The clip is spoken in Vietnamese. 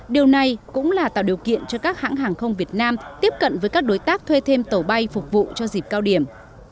điều này cũng là tạo điều kiện cho các hãng hàng không việt nam tiếp cận với các đối tác thuê thêm tàu bay phục vụ cho dịp cao điểm